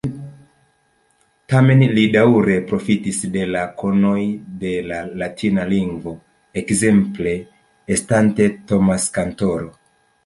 Tamen li daŭre profitis de la konoj de la latina lingvo ekzemple estante Thomas-kantoro.